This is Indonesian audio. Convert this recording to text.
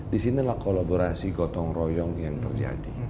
disinilah kolaborasi gotong royong yang terjadi